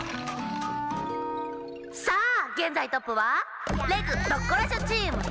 さあげんざいトップは「レグ・ドッコラショ」チーム。